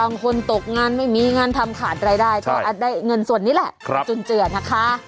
บางคนตกงานไม่มีงานทำขาดรายได้ก็ได้เงินส่วนนี้แหละจุนเจือนะคะ